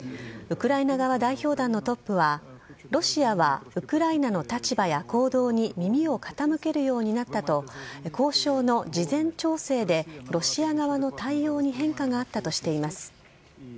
ウクライナ側代表団のトップは、ロシアはウクライナの立場や行動に耳を傾けるようになったと、交渉の事前調整でロシア側の対応に変化があったとしています。